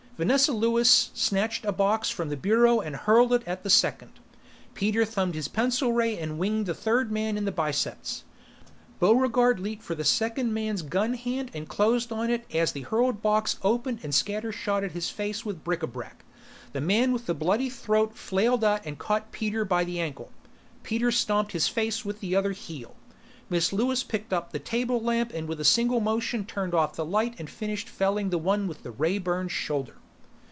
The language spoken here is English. Vanessa Lewis snatched a box from the bureau and hurled it at the second. Peter thumbed his pencil ray and winged the third man in the biceps. Buregarde leaped for the second man's gun hand and closed on it as the hurled box opened and scatter shotted his face with bric a brac. The man with the bloody throat flailed out and caught Peter by the ankle. Peter stomped his face with his other heel. Miss Lewis picked up the table lamp and with a single motion turned off the light and finished felling the one with the ray burned shoulder.